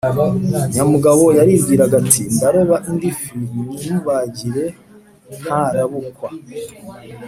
Nyamugabo yaribwiraga ati: “Ndaroba indi fi nyimubagire ntarabukwa.”